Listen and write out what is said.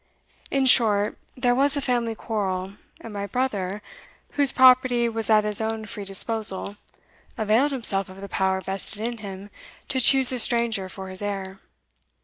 In short, there was a family quarrel, and my brother, whose property was at his own free disposal, availed himself of the power vested in him to choose a stranger for his heir.